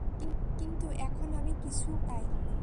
কিন্তু এখন আমি কিছু করতে চাই।